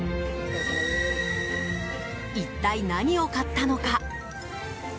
一体何を買ったのか？